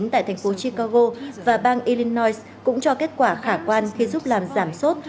tại thành phố chicago và bang illinois cũng cho kết quả khả quan khi giúp làm giảm sốt